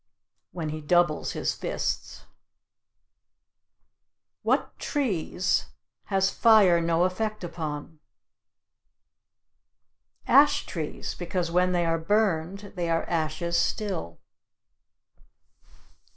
When he doubles his fists. What trees has fire no effect upon? Ashtrees; because when they are burned, they are ashes still.